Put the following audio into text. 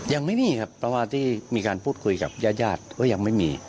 ยังไม่มีครับเพราะว่าที่มีการพูดคุยกับญาติญาติก็ยังไม่มี